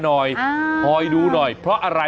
มิชุนา